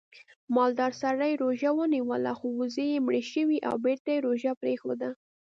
مالدار سړي روژه ونیوله خو وزې یې مړې شوې او بېرته یې روژه پرېښوده